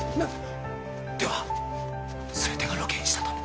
ではすべてが露見したと？